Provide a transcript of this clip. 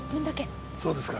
そうですか。